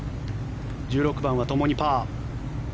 １６番はともにパー。